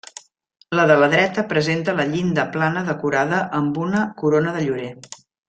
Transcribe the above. La de la dreta presenta la llinda plana decorada amb una corona de llorer.